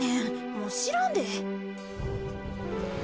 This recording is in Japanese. もうしらんで。